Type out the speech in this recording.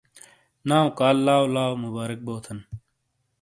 ناؤ کال لاؤ لاؤ مبارک بوتھن!